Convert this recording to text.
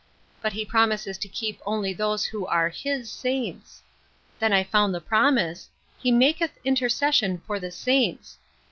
But he promises to keep only those who are hit saints. Then I found the promise, ' He maketh intercession for the saints.